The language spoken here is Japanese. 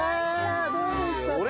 どうでしたか？